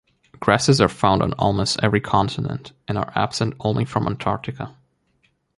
Grasses are found on almost every continent, and are absent only from Antarctica.